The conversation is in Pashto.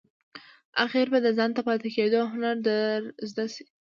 آخیر به د ځانته پاتې کېدو هنر در زده شي !